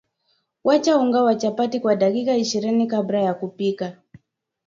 wacha unga wa chapati kwa dakika ishirini kabla ya kupika